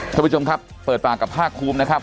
ท่านผู้ชมครับเปิดปากกับภาคภูมินะครับ